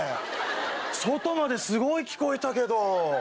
外まですごい聞こえたけど。